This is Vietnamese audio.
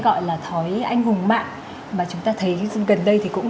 gọi là thói anh hùng mạng mà chúng ta thấy gần đây thì cũng